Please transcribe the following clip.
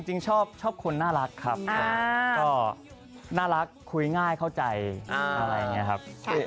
จริงชอบคนน่ารักครับก็น่ารักคุยง่ายเข้าใจอะไรอย่างนี้ครับ